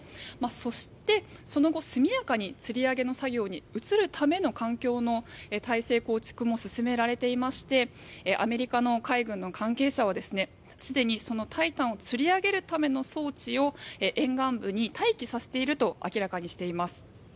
そして、その後速やかにつり上げの作業に移るための環境の体制構築も進められていましてアメリカの海軍の関係者はすでに「タイタン」をつり上げるための装置を沿岸部に待機させていると明らかにしています。